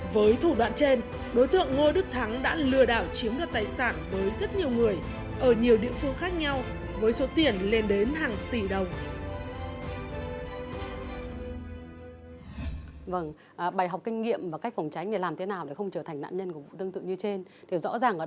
với thủ đoạn trên đối tượng ngô đức thắng đã lừa đảo chiếm đoạt tài sản với rất nhiều người ở nhiều địa phương khác nhau với số tiền lên đến hàng tỷ đồng